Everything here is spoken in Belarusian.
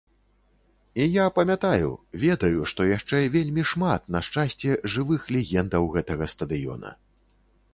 І я памятаю, ведаю, што яшчэ вельмі шмат, на шчасце, жывых легендаў гэтага стадыёна.